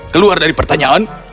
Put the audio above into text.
keluar dari pertanyaan